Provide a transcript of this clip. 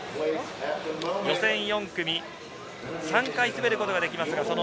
予選４組、３回滑ることができます。